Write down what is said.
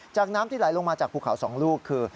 น้ำที่ไหลลงมาจากภูเขา๒ลูกคือ